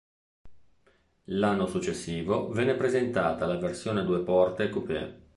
L'anno successivo venne presentata la versione due porte coupé.